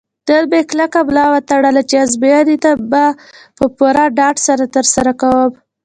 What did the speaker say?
نن مې کلکه ملا وتړله چې ازموینې به په پوره ډاډ سره ترسره کوم.